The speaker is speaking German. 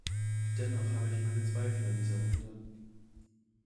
Und dennoch habe ich meine Zweifel an dieser Runde.